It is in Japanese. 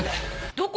どこ？